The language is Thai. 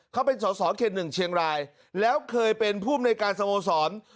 เขาเป็นสอสอเขต๑เชียงรายแล้วเคยเป็นภูมิในการสโมสร